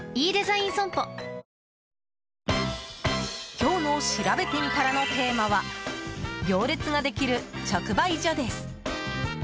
今日のしらべてみたらのテーマは行列ができる直売所です。